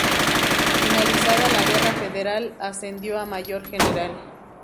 Finalizada la Guerra Federal ascendió a Mayor General.